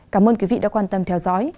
cảm ơn quý vị đã quan tâm theo dõi